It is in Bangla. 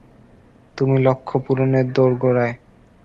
তুমি লক্ষ্য পূরণের দোরগোড়ায়।